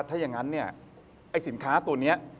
ถ้าอย่างนั้นเนี่ยไอ้สินค้าตัวนี้